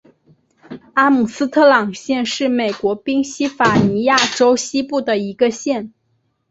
阿姆斯特朗县是美国宾夕法尼亚州西部的一个县。